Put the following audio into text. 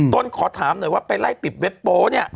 ขอถามหน่อยว่าไปไล่ปิดเว็บโป๊เนี่ย